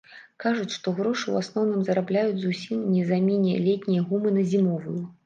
Кажуць, што грошы ў асноўным зарабляюць зусім не замене летняй гумы на зімовую.